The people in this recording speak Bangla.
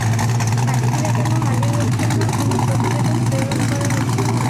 সাক্ষীরা কেন হাজির হচ্ছেন না, কোনো প্রতিবেদন প্রেরণ করা হচ্ছে না।